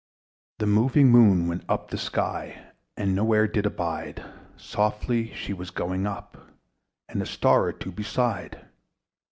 The moving Moon went up the sky, And no where did abide: Softly she was going up, And a star or two beside.